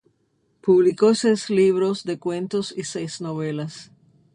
Publicó seis libros de cuentos y seis novelas.